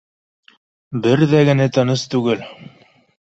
Бер ҙә генә тыныс түгел